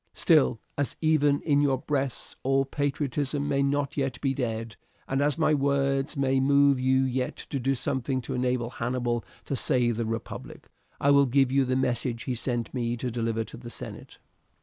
Still, as even in your breasts all patriotism may not yet be dead, and as my words may move you yet to do something to enable Hannibal to save the republic, I will give you the message he sent me to deliver to the senate."